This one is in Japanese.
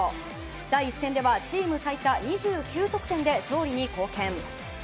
第１戦ではチーム最多２９得点で勝利に貢献。